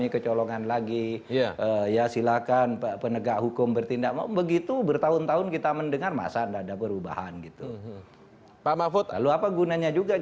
kalau saya tersandera karena sesuatu